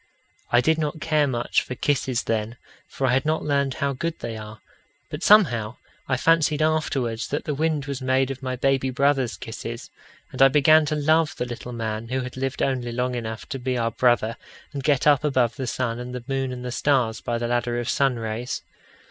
I did not care much for kisses then, for I had not learned how good they are; but somehow I fancied afterwards that the wind was made of my baby brother's kisses, and I began to love the little man who had lived only long enough to be our brother and get up above the sun and the moon and the stars by the ladder of sun rays.